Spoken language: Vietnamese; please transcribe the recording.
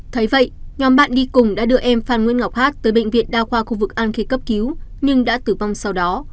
thấy vậy nhóm bạn đi cùng đã đưa em phan nguyễn ngọc hát tới bệnh viện đa khoa khu vực an khê cấp cứu nhưng đã tử vong sau đó